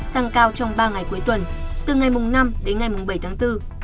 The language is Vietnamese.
tăng cao trong ba ngày cuối tuần từ ngày năm đến ngày bảy tháng bốn